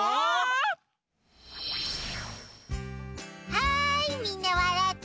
はいみんなわらって。